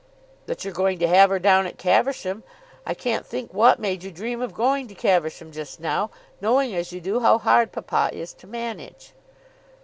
"But you're going to have her down at Caversham. I can't think what made you dream of going to Caversham just now, knowing as you do how hard papa is to manage."